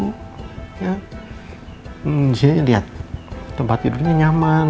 di sini lihat tempat tidurnya nyaman